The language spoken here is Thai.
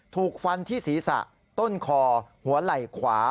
ถูกฟันที่ศีรษะต้นคอหัวไหล่ขวา